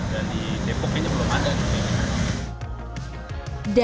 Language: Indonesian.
jadi depoknya belum ada